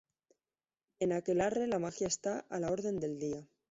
En "Aquelarre" la magia está a la orden del día.